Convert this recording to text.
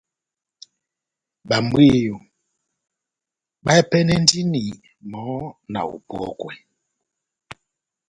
Babwiyo bahɛpɛnɛnɛndini mɔhɔ́ na opɔ́kwa